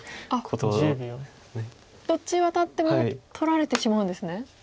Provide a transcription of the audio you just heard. どっちワタっても取られてしまうんですね。